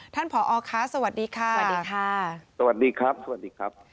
ท่านผอค่ะสวัสดีค่ะสวัสดีค่ะสวัสดีครับ